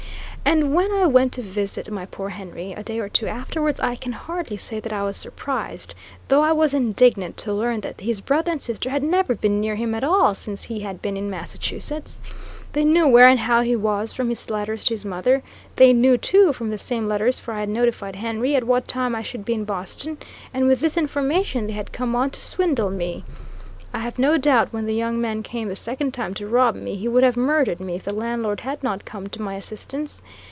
And when I went to visit my poor Henry a day or two afterwards, I can hardly say that I was surprised, though I was indignant to learn that his brother and sister had never been near him at all since he had been in Massachusetts. They knew where and how he was from his letter's to his mother; they knew, too, from the same letters for I had notified Henry at what time I would be in Boston, and with this information they had come on to swindle me. I have no doubt, when the young man came the second time to rob me, he would have murdered me, if the landlord had not come to my assistance.